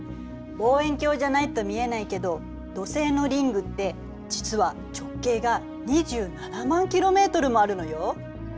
望遠鏡じゃないと見えないけど土星のリングって実は直径が２７万ｋｍもあるのよ。